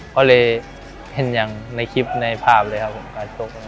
ก็เลยเห็นอย่างในคลิปในภาพเลยครับผมการชก